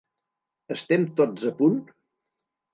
Estem tots a punt?